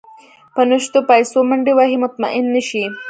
په نشتو پسې منډې وهي مطمئن نه شي.